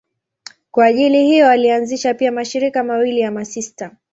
Kwa ajili hiyo alianzisha pia mashirika mawili ya masista.